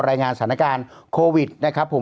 รายงานสถานการณ์โควิดนะครับผม